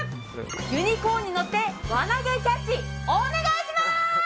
ユニコーンに乗って輪投げキャッチお願いします！